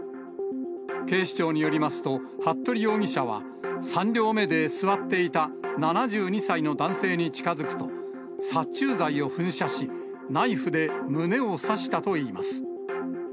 警視庁によりますと、服部容疑者は３両目で座っていた７２歳の男性に近づくと、殺虫剤を噴射し、ナイフで胸を刺したといいます。